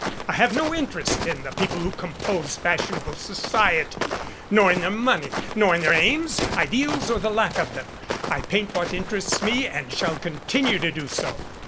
I have no interest in the people who compose fashionable society, nor in their money nor their aims, ideals or the lack of them. I paint what interests me and shall continue to do so."